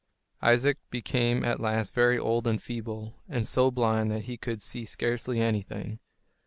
Isaac became at last very old and feeble, and so blind that he could see scarcely anything.